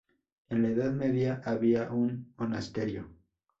En la Edad Media, había un monasterio.